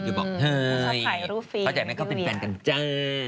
จะบอกเฮ้ยความสะพายรูปฟรีนุยังไงเขาเป็นแฟนกันจ้า